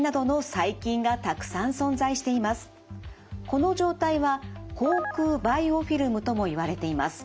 この状態は口腔バイオフィルムともいわれています。